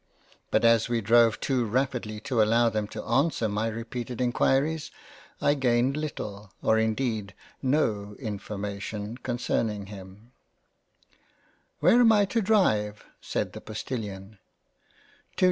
" But as we drove too rapidly to allow them to answer my repeated Enquiries, I gained little, or indeed, no information *9 £ JANE AUSTEN concerning him. " Where am I to Drive ?" said the Postilion.